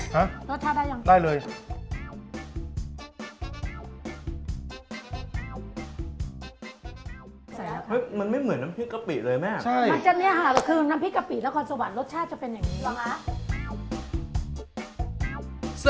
มันไม่เหมือนน้ำพริกกะปิเลยแม่